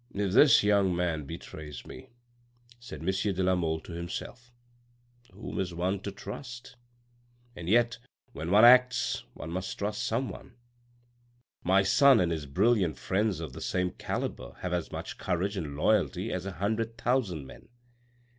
" If this young man betrays me," said M. de la Mole to himself, " whom is one to trust ? And yet, when one acts, one must trust someone. My son and his brilliant friends of the same calibre have as much courage and loyalty as a hundred thousand men.